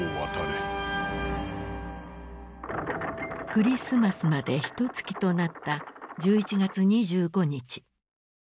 クリスマスまでひとつきとなった１１月２５日。